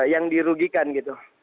yang dirugikan gitu